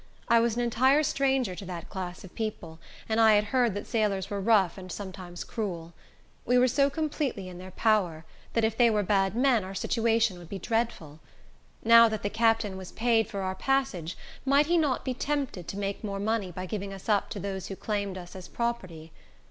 I was an entire stranger to that class of people, and I had heard that sailors were rough, and sometimes cruel. We were so completely in their power, that if they were bad men, our situation would be dreadful. Now that the captain was paid for our passage, might he not be tempted to make more money by giving us up to those who claimed us as property?